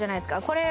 これ！